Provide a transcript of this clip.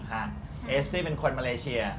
ค่ะเอลซี่เป็นคนมาเลเชีย